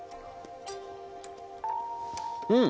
うん！